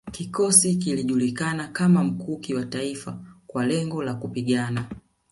Kikosi kilijulikana kama Mkuki wa Taifa kwa lengo la kupigana